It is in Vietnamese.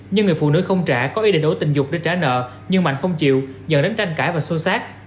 nhưng người phụ nữ không trả có ý để đối tình dục để trả nợ nhưng mạnh không chịu dần đánh tranh cãi và xô xác